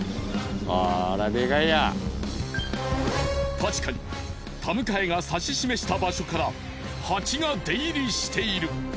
確かに田迎が指し示した場所からハチが出入りしている。